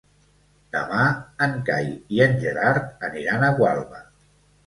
Demà en Cai i en Gerard aniran a Gualba.